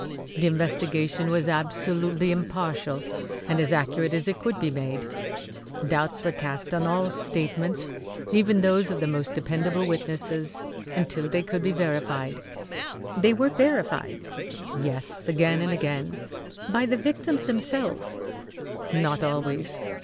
"The investigation was absolutely impartial and as accurate as it could be made. Doubts were cast on all statements even those of the most dependable witnesses until they could be verified." "They were verified?" "Yes; again and again." "By the victims themselves?" "Not always.